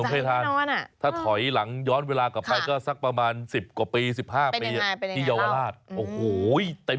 ผมเคยทานถ้าถอยหลังย้อนเวลากลับไปก็ซักประมาณ๑๐กว่าปี๑๕บาท